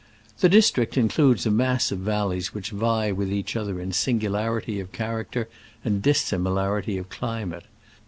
The district includes a mass of val leys which vie with each other in singu larity of character and dissimilarity of climate.